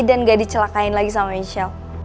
dan gak dicelakain lagi sama michelle